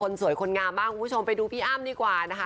คนสวยคนงามบ้างคุณผู้ชมนอนไปดูอ้ามดีกว่านะคะ